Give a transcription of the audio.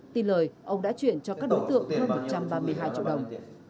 tin lời ông đã chuyển cho các đối tượng hơn một trăm ba mươi hai triệu đồng